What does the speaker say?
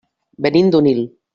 Venim d'Onil.